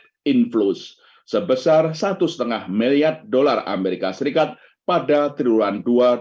net influx sebesar satu lima miliar dolar as pada triwulan dua ribu dua puluh dua